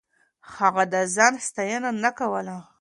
هغه د ځان ستاينه نه کوله.